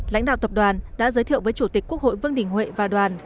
lãnh đạo tập đoàn đã giới thiệu với chủ tịch quốc hội vương đình huệ và đoàn